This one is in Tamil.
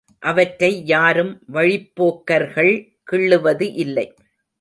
அவற்றை யாரும் வழிப்போக்கர்கள் கிள்ளுவது இல்லை.